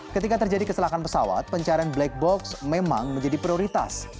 ketika terjadi kesalahan pesawat pencarian black box memang menjadi prioritas